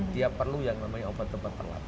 dia perlu yang namanya obat obat